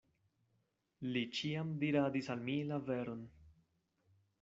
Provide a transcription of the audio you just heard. Li ĉiam diradis al mi la veron.